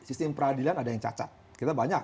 sistem peradilan ada yang cacat kita banyak